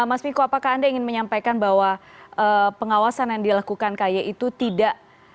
mas miko apakah anda ingin menyampaikan bahwa pengawasan yang dilakukan kay itu tidak